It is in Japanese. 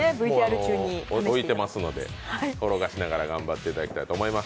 置いてますので転がしながら頑張っていただきたいと思います。